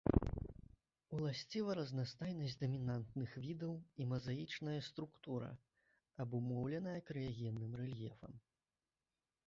Уласціва разнастайнасць дамінантных відаў і мазаічная структура, абумоўленая крыягенным рэльефам.